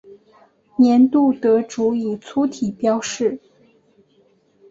年度得主以粗体标示。